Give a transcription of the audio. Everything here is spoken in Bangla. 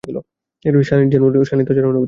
শানিত যাঁর অনুভূতি।